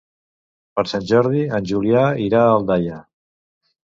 Per Sant Jordi en Julià irà a Aldaia.